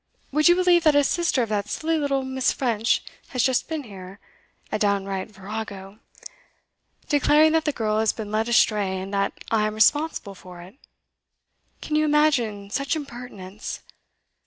Would you believe that a sister of that silly little Miss. French has just been here a downright virago declaring that the girl has been led astray, and that I am responsible for it? Can you imagine such impertinence?